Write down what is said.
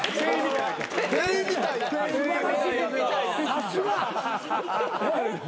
さすが。